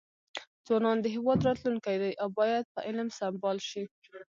ځوانان د هیواد راتلونکي دي او باید په علم سمبال شي.